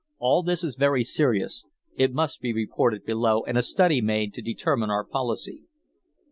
"All this is very serious. It must be reported below and a study made to determine our policy."